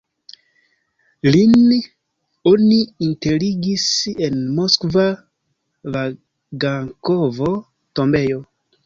Lin oni enterigis en moskva Vagankovo-tombejo.